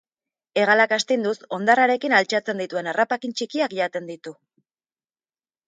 Hegalak astinduz hondarrarekin altxatzen dituen harrapakin txikiak jaten ditu.